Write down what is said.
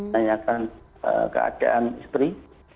tanyakan keadaan istri